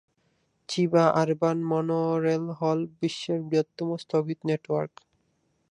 Chiba urban monorail হ'ল বিশ্বের বৃহত্তম স্থগিত নেটওয়ার্ক।